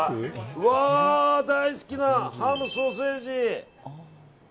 うわー大好きなハム、ソーセージ！